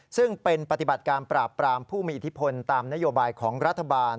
ซึ่งเป็นปฏิบัติการปราบปรามผู้มีอิทธิพลตามนโยบายของรัฐบาล